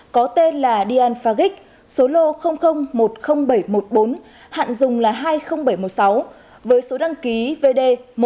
có tên là dianfagic số lô một mươi nghìn bảy trăm một mươi bốn hạn dùng là hai mươi nghìn bảy trăm một mươi sáu với số đăng ký vd một mươi bảy nghìn tám trăm năm mươi chín